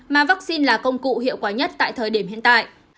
mà vaccine là công cụ hiệu quả nhất tại thời điểm hiện tại